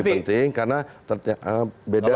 dan kunci penting karena ternyata beda